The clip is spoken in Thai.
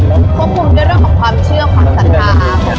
ควบคุมด้วยเรื่องของความเชื่อความศรัทธาอาคม